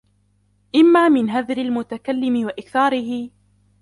إمَّا مِنْ هَذْرِ الْمُتَكَلِّمِ وَإِكْثَارِهِ